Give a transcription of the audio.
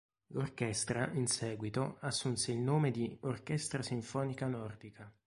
L'orchestra in seguito assunse il nome di Orchestra sinfonica nordica.